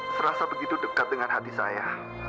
serasa begitu dekat dengan hati saya